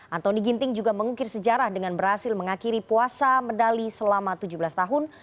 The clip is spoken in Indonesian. antoni ginting juga mengukir sejarah dengan berhasil mengakhiri puasa medali selama tujuh belas tahun